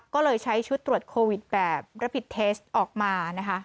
ก็เลยใช้ชุดตรวจโควิดแบบรับผิดเทสออกมานะคะ